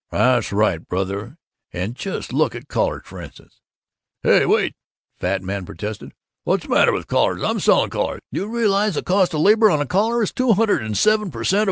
'" "That's right, brother. And just look at collars, frinstance " "Hey! Wait!" the fat man protested. "What's the matter with collars? I'm selling collars! D'you realize the cost of labor on collars is still two hundred and seven per cent.